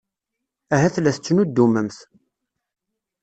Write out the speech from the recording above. Ahat la tettnuddumemt.